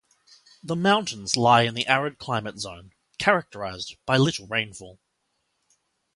The mountains lie in the arid climate zone, characterized by little rainfall.